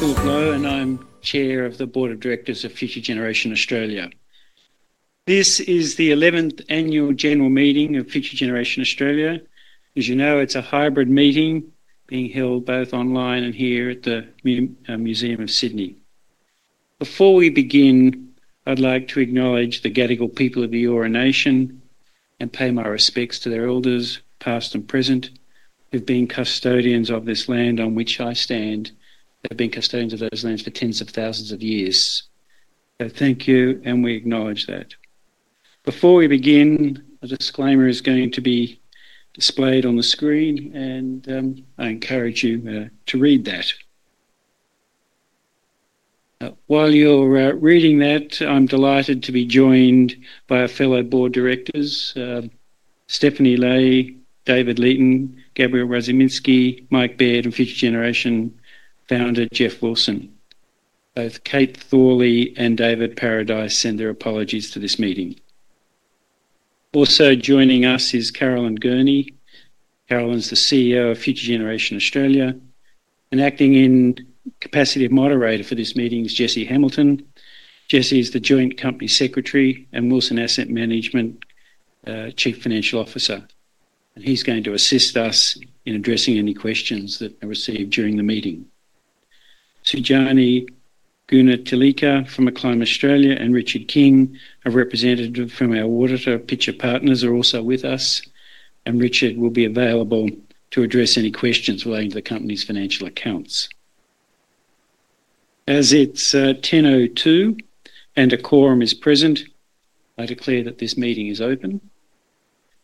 Good afternoon. I'm Chair of the Board of Directors of Future Generation Australia. This is the 11th Annual General Meeting of Future Generation Australia. As you know, it's a hybrid meeting being held both online and here at the Museum of Sydney. Before we begin, I'd like to acknowledge the Gadigal people of the Eora Nation and pay my respects to their elders, past and present, who've been custodians of this land on which I stand. They've been custodians of those lands for tens of thousands of years. Thank you, and we acknowledge that. Before we begin, a disclaimer is going to be displayed on the screen, and I encourage you to read that. While you're reading that, I'm delighted to be joined by our fellow board directors, Stephanie Lai, David Leeton, Gabriel Radzyminski, Mike Baird, and Future Generation founder Geoff Wilson. Both Kate Thorley and David Paradise send their apologies to this meeting. Also joining us is Caroline Gurney. Caroline's the CEO of Future Generation Australia. An acting and capacity moderator for this meeting is Jesse Hamilton. Jesse is the Joint Company Secretary and Wilson Asset Management Chief Financial Officer. He is going to assist us in addressing any questions that are received during the meeting. Sujani Gurner-Thalika from Acclaim Australia and Richard King, a representative from our auditor Pitcher Partners, are also with us. Richard will be available to address any questions relating to the company's financial accounts. As it is 10:02 A.M. and a quorum is present, I declare that this meeting is open.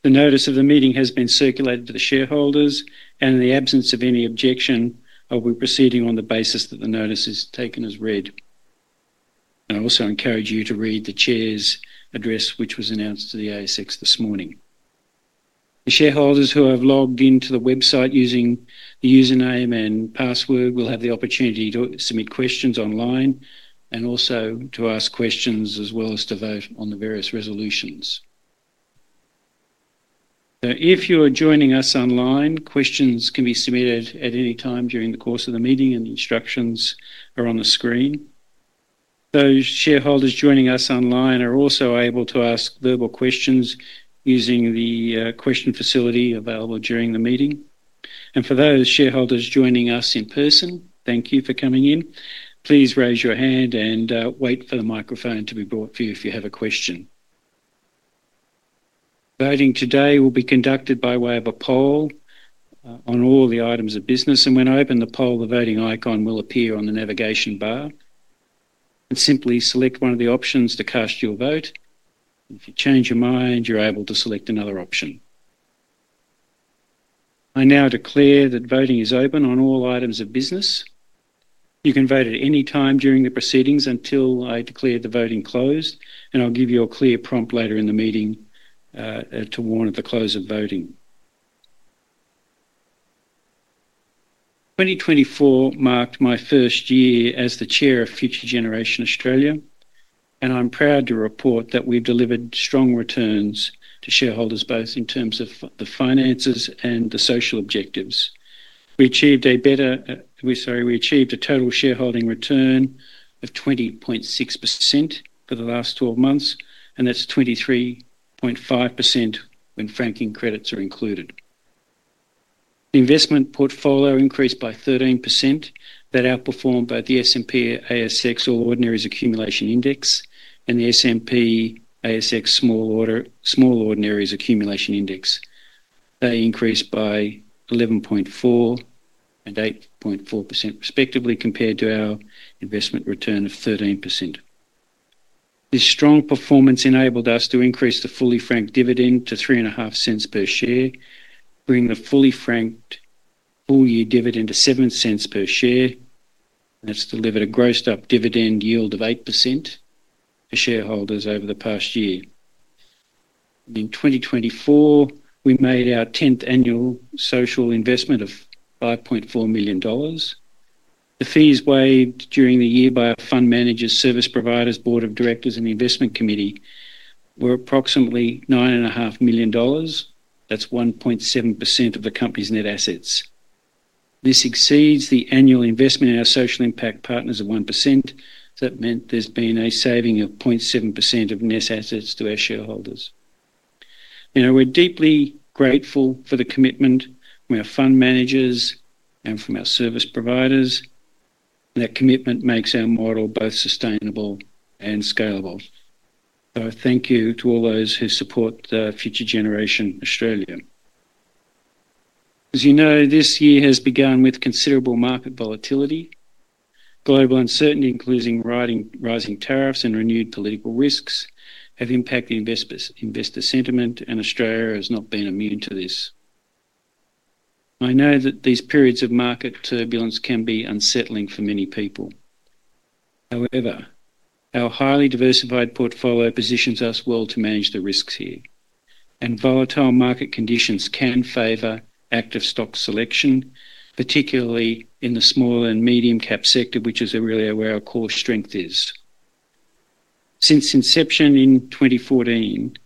The notice of the meeting has been circulated to the shareholders, and in the absence of any objection, I will be proceeding on the basis that the notice is taken as read. I also encourage you to read the Chair's address, which was announced to the ASX this morning. The shareholders who have logged into the website using the username and password will have the opportunity to submit questions online and also to ask questions as well as to vote on the various resolutions. If you're joining us online, questions can be submitted at any time during the course of the meeting, and the instructions are on the screen. Those shareholders joining us online are also able to ask verbal questions using the question facility available during the meeting. For those shareholders joining us in person, thank you for coming in. Please raise your hand and wait for the microphone to be brought to you if you have a question. Voting today will be conducted by way of a poll on all the items of business. When I open the poll, the voting icon will appear on the navigation bar. Simply select one of the options to cast your vote. If you change your mind, you're able to select another option. I now declare that voting is open on all items of business. You can vote at any time during the proceedings until I declare the voting closed. I'll give you a clear prompt later in the meeting to warn at the close of voting. 2024 marked my first year as the Chair of Future Generation Australia, and I'm proud to report that we've delivered strong returns to shareholders, both in terms of the finances and the social objectives. We achieved a better—sorry, we achieved a total shareholding return of 20.6% for the last 12 months, and that's 23.5% when franking credits are included. The investment portfolio increased by 13%. That outperformed both the S&P/ASX All Ordinaries Accumulation Index and the S&P/ASX Small Ordinaries Accumulation Index. They increased by 11.4% and 8.4% respectively, compared to our investment return of 13%. This strong performance enabled us to increase the fully franked dividend to 0.035 per share, bringing the fully franked full year dividend to 0.07 per share. That's delivered a grossed-up dividend yield of 8% for shareholders over the past year. In 2024, we made our 10th annual social investment of 5.4 million dollars. The fees waived during the year by our fund managers, service providers, Board of Directors, and investment committee were approximately 9.5 million dollars. That's 1.7% of the company's net assets. This exceeds the annual investment in our social impact partners of 1%. That meant there's been a saving of 0.7% of net assets to our shareholders. We're deeply grateful for the commitment from our fund managers and from our service providers. That commitment makes our model both sustainable and scalable. Thank you to all those who support Future Generation Australia. As you know, this year has begun with considerable market volatility. Global uncertainty, including rising tariffs and renewed political risks, have impacted investor sentiment, and Australia has not been immune to this. I know that these periods of market turbulence can be unsettling for many people. However, our highly diversified portfolio positions us well to manage the risks here. Volatile market conditions can favor active stock selection, particularly in the small and medium-cap sector, which is really where our core strength is. Since inception in 2014,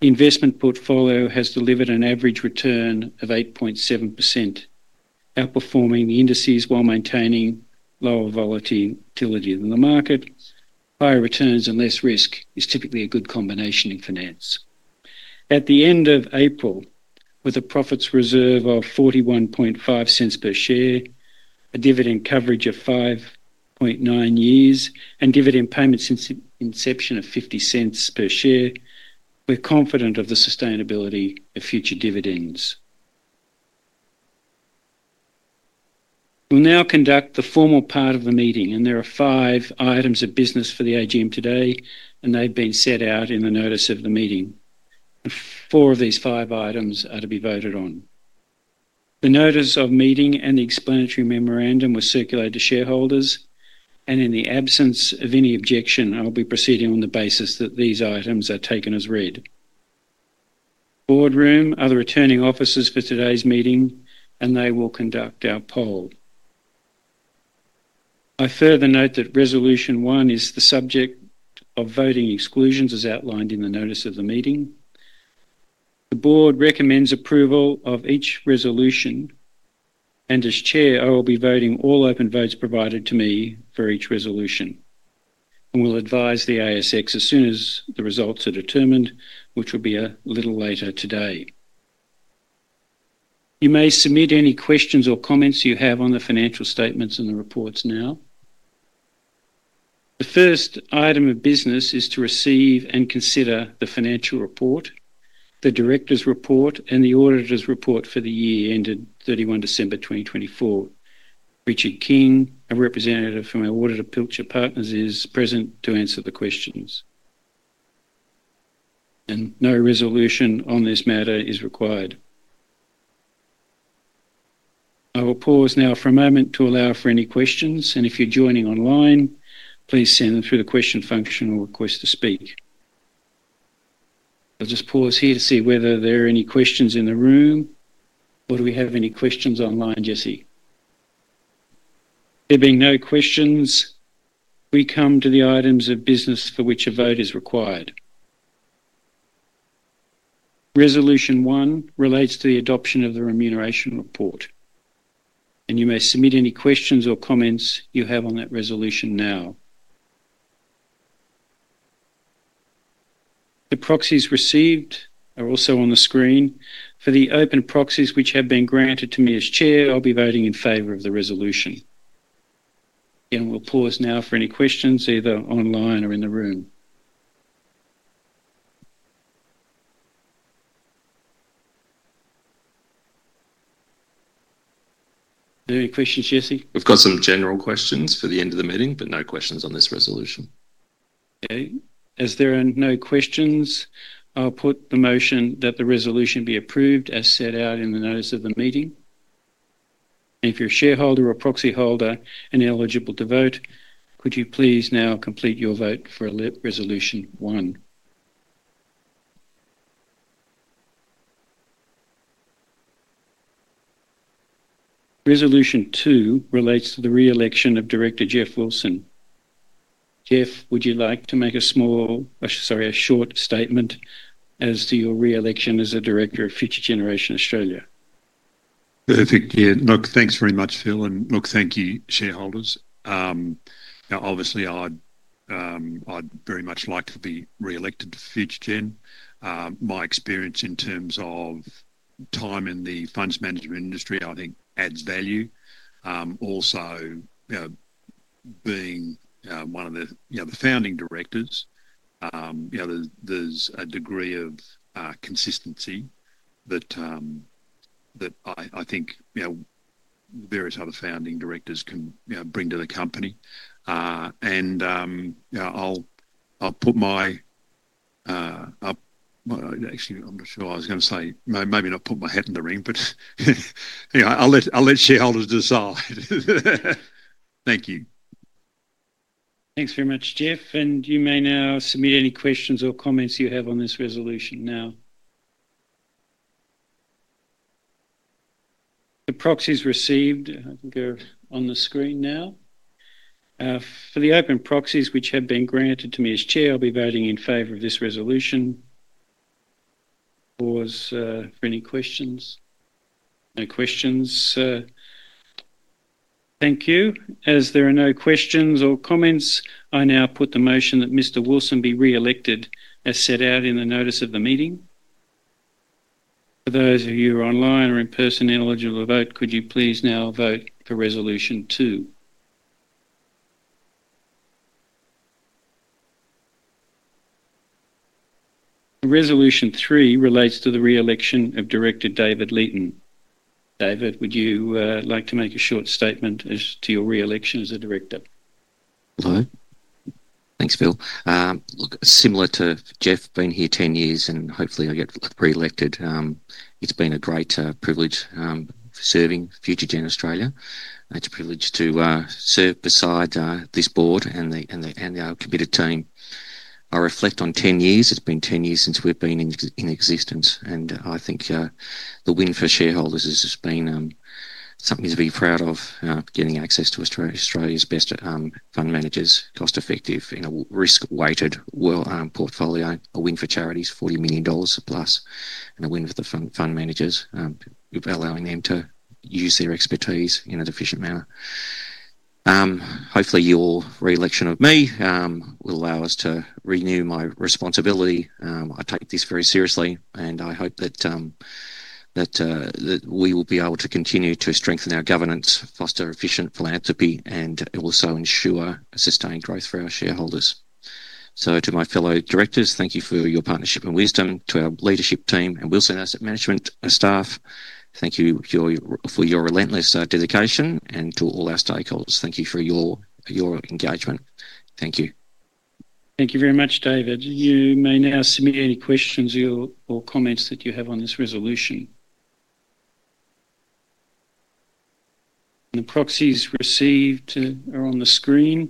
the investment portfolio has delivered an average return of 8.7%, outperforming the indices while maintaining lower volatility than the market. Higher returns and less risk is typically a good combination in finance. At the end of April, with a profits reserve of 0.415 per share, a dividend coverage of 5.9 years, and dividend payments since inception of 0.50 per share, we're confident of the sustainability of future dividends. We'll now conduct the formal part of the meeting, and there are five items of business for the AGM today, and they've been set out in the notice of the meeting. Four of these five items are to be voted on. The notice of meeting and the explanatory memorandum were circulated to shareholders. In the absence of any objection, I'll be proceeding on the basis that these items are taken as read. Boardroom are the returning officers for today's meeting, and they will conduct our poll. I further note that Resolution One is the subject of voting exclusions as outlined in the notice of the meeting. The Board recommends approval of each resolution, and as Chair, I will be voting all open votes provided to me for each resolution. We will advise the ASX as soon as the results are determined, which will be a little later today. You may submit any questions or comments you have on the financial statements and the reports now. The first item of business is to receive and consider the financial report, the Directors' report, and the auditor's report for the year ended 31 December 2024. Richard King, a representative from our auditor, Pitcher Partners, is present to answer the questions. No resolution on this matter is required. I will pause now for a moment to allow for any questions. If you're joining online, please send them through the question function or request to speak. I'll just pause here to see whether there are any questions in the room. Do we have any questions online, Jesse? There being no questions, we come to the items of business for which a vote is required. Resolution One relates to the adoption of the remuneration report. You may submit any questions or comments you have on that resolution now. The proxies received are also on the screen. For the open proxies which have been granted to me as Chair, I'll be voting in favor of the resolution. We'll pause now for any questions, either online or in the room. Any questions, Jesse? We've got some general questions for the end of the meeting, but no questions on this resolution. Okay. As there are no questions, I'll put the motion that the resolution be approved as set out in the notice of the meeting. If you're a shareholder or proxy holder and eligible to vote, could you please now complete your vote for Resolution One? Resolution Two relates to the re-election of Director Geoff Wilson. Geoff, would you like to make a small—sorry, a short statement as to your re-election as a director of Future Generation Australia? Perfect. Yeah. Look, thanks very much, Phil. And look, thank you, shareholders. Obviously, I'd very much like to be re-elected to Future Gen. My experience in terms of time in the funds management industry, I think, adds value. Also, being one of the founding directors, there's a degree of consistency that I think various other founding directors can bring to the company. I'll put my—actually, I'm not sure I was going to say, maybe not put my hat in the ring, but I'll let shareholders decide. Thank you. Thanks very much, Geoff. You may now submit any questions or comments you have on this resolution now. The proxies received. I think they're on the screen now. For the open proxies which have been granted to me as Chair, I'll be voting in favor of this resolution. Pause for any questions. No questions. Thank you. As there are no questions or comments, I now put the motion that Mr. Wilson be re-elected as set out in the notice of the meeting. For those of you who are online or in person eligible to vote, could you please now vote for Resolution Two? Resolution Three relates to the re-election of Director David Leeton. David, would you like to make a short statement as to your re-election as a director? Hello. Thanks, Phil. Look, similar to Geoff, been here 10 years, and hopefully I get re-elected. It's been a great privilege serving Future Generation Australia. It's a privilege to serve beside this board and our committed team. I reflect on 10 years. It's been 10 years since we've been in existence. I think the win for shareholders has been something to be proud of, getting access to Australia's best fund managers, cost-effective, risk-weighted portfolio. A win for charity is 40 million dollars plus, and a win for the fund managers, allowing them to use their expertise in a deficient manner. Hopefully, your re-election of me will allow us to renew my responsibility. I take this very seriously, and I hope that we will be able to continue to strengthen our governance, foster efficient philanthropy, and also ensure sustained growth for our shareholders. To my fellow directors, thank you for your partnership and wisdom. To our leadership team and Wilson Asset Management staff, thank you for your relentless dedication. To all our stakeholders, thank you for your engagement. Thank you. Thank you very much, David. You may now submit any questions or comments that you have on this resolution. The proxies received are on the screen.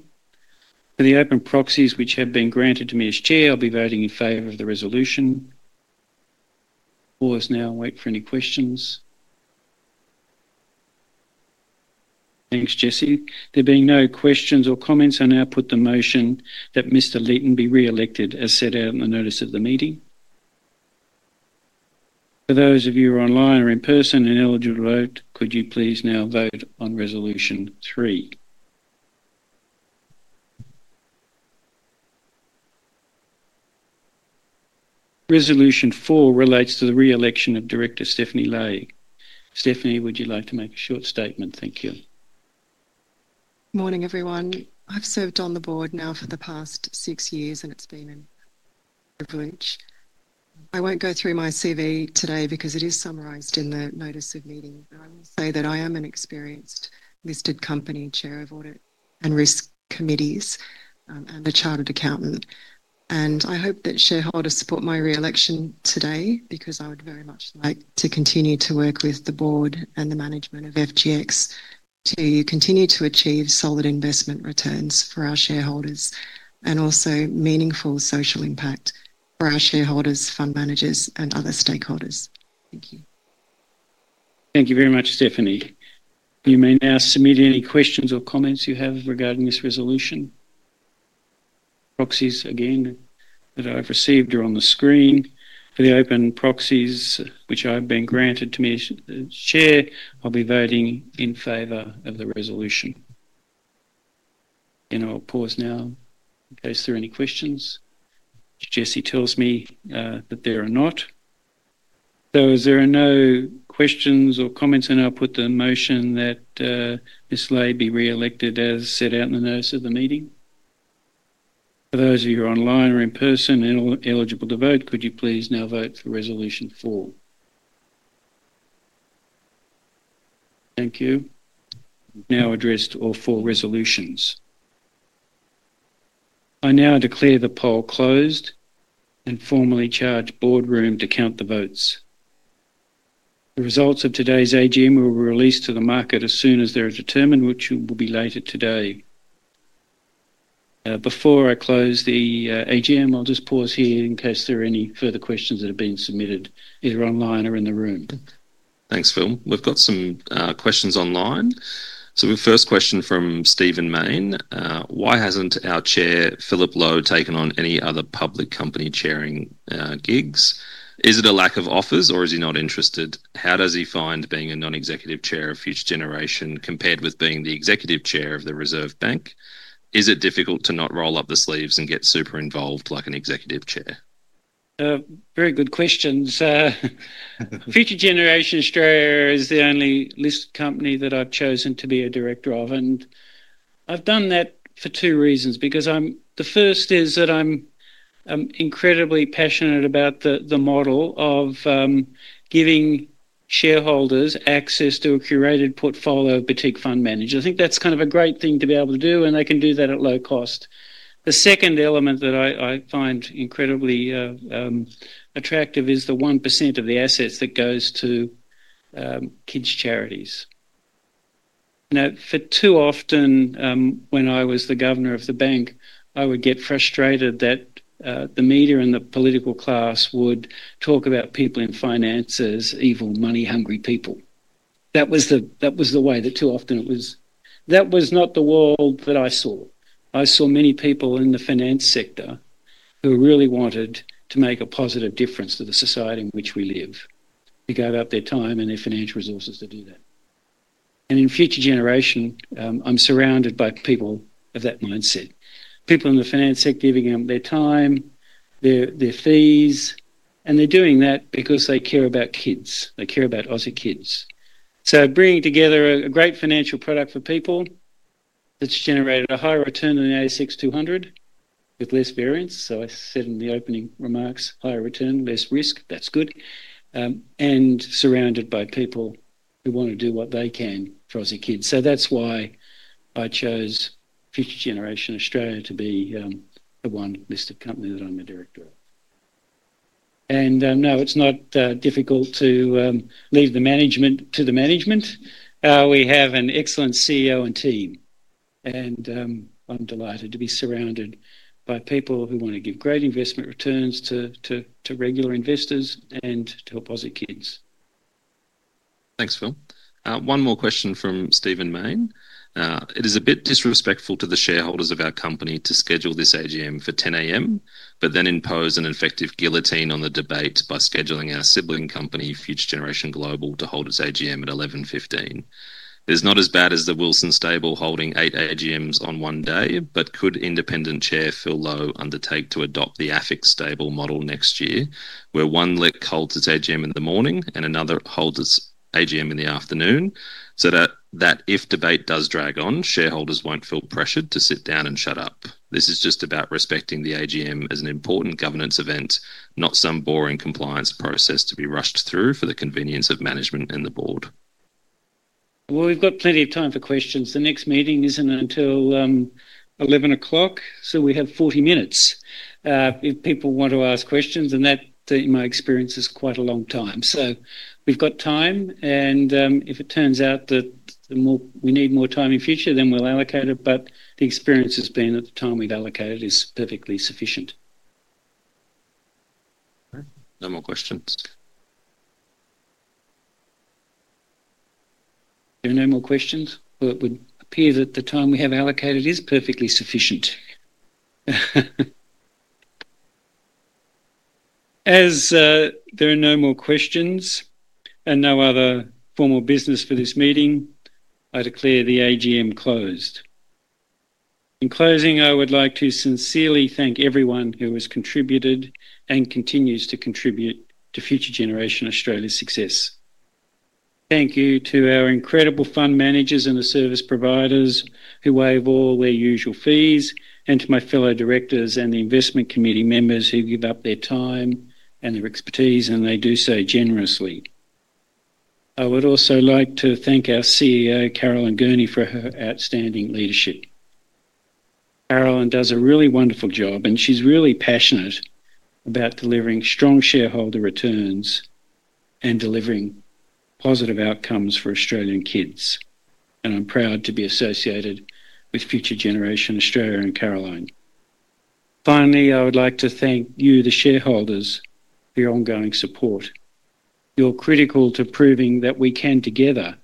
For the open proxies which have been granted to me as Chair, I'll be voting in favor of the resolution. Pause now and wait for any questions. Thanks, Jesse. There being no questions or comments, I now put the motion that Mr. Leeton be re-elected as set out in the notice of the meeting. For those of you who are online or in person and eligible to vote, could you please now vote on Resolution Three? Resolution Four relates to the re-election of Director Stephanie Lai. Stephanie, would you like to make a short statement? Thank you. Good morning, everyone. I've served on the board now for the past six years, and it's been a privilege. I won't go through my CV today because it is summarised in the notice of meeting. I will say that I am an experienced listed company Chair of audit and risk committees and a chartered accountant. I hope that shareholders support my re-election today because I would very much like to continue to work with the board and the management of FGX to continue to achieve solid investment returns for our shareholders and also meaningful social impact for our shareholders, fund managers, and other stakeholders. Thank you. Thank you very much, Stephanie. You may now submit any questions or comments you have regarding this resolution. Proxies, again, that I've received are on the screen. For the open proxies which have been granted to me as Chair, I'll be voting in favor of the resolution. I'll pause now in case there are any questions. Jesse tells me that there are not. As there are no questions or comments, I now put the motion that Ms. Lai be re-elected as set out in the notice of the meeting. For those of you who are online or in person and eligible to vote, could you please now vote for Resolution Four? Thank you. I have now addressed all four resolutions. I now declare the poll closed and formally charge Boardroom to count the votes. The results of today's AGM will be released to the market as soon as they're determined, which will be later today. Before I close the AGM, I'll just pause here in case there are any further questions that have been submitted, either online or in the room. Thanks, Phil. We've got some questions online. First question from Stephen Mayne. Why hasn't our Chair, Philip Lowe, taken on any other public company chairing gigs? Is it a lack of offers or is he not interested? How does he find being a non-executive Chair of Future Generation compared with being the executive Chair of the Reserve Bank? Is it difficult to not roll up the sleeves and get super involved like an executive Chair? Very good questions. Future Generation Australia is the only listed company that I've chosen to be a director of. I've done that for two reasons. The first is that I'm incredibly passionate about the model of giving shareholders access to a curated portfolio of boutique fund managers. I think that's kind of a great thing to be able to do, and they can do that at low cost. The second element that I find incredibly attractive is the 1% of the assets that goes to kids' charities. Too often, when I was the governor of the bank, I would get frustrated that the media and the political class would talk about people in finances, evil money-hungry people. That was the way that too often it was. That was not the world that I saw. I saw many people in the finance sector who really wanted to make a positive difference to the society in which we live. They gave up their time and their financial resources to do that. In Future Generation, I'm surrounded by people of that mindset. People in the finance sector giving up their time, their fees, and they're doing that because they care about kids. They care about Aussie kids. Bringing together a great financial product for people that's generated a higher return than the ASX 200 with less variance. I said in the opening remarks, higher return, less risk, that's good. Surrounded by people who want to do what they can for Aussie kids. That's why I chose Future Generation Australia to be the one listed company that I'm the director of. No, it's not difficult to leave the management to the management. We have an excellent CEO and team. I'm delighted to be surrounded by people who want to give great investment returns to regular investors and to help Aussie kids. Thanks, Phil. One more question from Stephen Mayne. It is a bit disrespectful to the shareholders of our company to schedule this AGM for 10:00 A.M., but then impose an effective guillotine on the debate by scheduling our sibling company, Future Generation Global, to hold its AGM at 11:15. It's not as bad as the Wilson stable holding eight AGMs on one day, but could independent Chair Phil Lowe undertake to adopt the Affix stable model next year, where one let holds its AGM in the morning and another holds its AGM in the afternoon so that if debate does drag on, shareholders won't feel pressured to sit down and shut up? This is just about respecting the AGM as an important governance event, not some boring compliance process to be rushed through for the convenience of management and the board. We have plenty of time for questions. The next meeting is not until 11:00 A.M., so we have 40 minutes if people want to ask questions. That, in my experience, is quite a long time. We have time. If it turns out that we need more time in future, then we will allocate it. The experience has been that the time we have allocated is perfectly sufficient. No more questions. There are no more questions. It would appear that the time we have allocated is perfectly sufficient. As there are no more questions and no other formal business for this meeting, I declare the AGM closed. In closing, I would like to sincerely thank everyone who has contributed and continues to contribute to Future Generation Australia's success. Thank you to our incredible fund managers and the service providers who waive all their usual fees, and to my fellow directors and the investment committee members who give up their time and their expertise, and they do so generously. I would also like to thank our CEO, Caroline Gurney, for her outstanding leadership. Caroline does a really wonderful job, and she's really passionate about delivering strong shareholder returns and delivering positive outcomes for Australian kids. I'm proud to be associated with Future Generation Australia and Caroline. Finally, I would like to thank you, the shareholders, for your ongoing support. You're critical to proving that we can together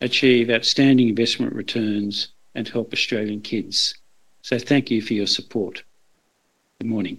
achieve outstanding investment returns and help Australian kids. Thank you for your support. Good morning.